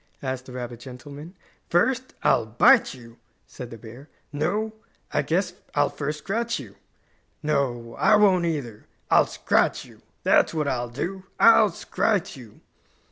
asked the rabbit gentleman. "First, I'll bite you," said the bear. "No, I guess I'll first scratch you. No, I won't either. I'll scrite you; that's what I'll do. I'll scrite you!"